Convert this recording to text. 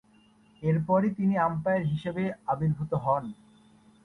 এরপরই তিনি আম্পায়ার হিসেবে আবির্ভূত হন।